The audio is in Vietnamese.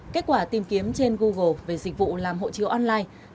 kết quả tìm kiếm trên google về dịch vụ làm hộ chiếu online